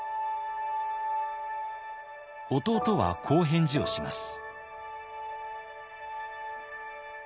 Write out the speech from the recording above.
弟はこう返事をします。